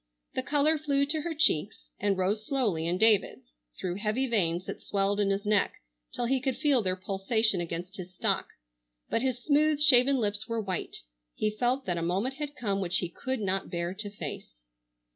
The color flew to her cheeks, and rose slowly in David's, through heavy veins that swelled in his neck till he could feel their pulsation against his stock, but his smooth shaven lips were white. He felt that a moment had come which he could not bear to face.